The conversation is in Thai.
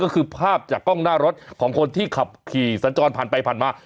ก็คือภาพจากกล้องหน้ารถของคนที่ขับขี่สัญจรผ่านไปผ่านมา